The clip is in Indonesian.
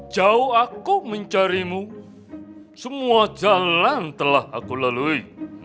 jauh aku mencarimu semua jalan telah aku lalui